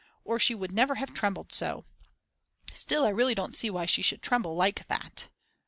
Or she would never have trembled so. Still I really don't see why she should tremble like that.